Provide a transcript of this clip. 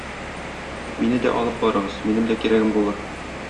Мине дә алып барыгыз, минем дә кирәгем булыр.